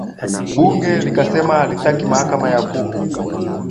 bunge likasema halitaki mahakama ya kuhu